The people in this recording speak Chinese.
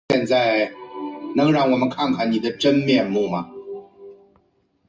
一位是元朝白莲宗的释普度。